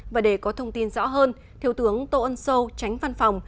và để có thông tin rõ hơn thiếu tướng tô ân sâu tránh văn phòng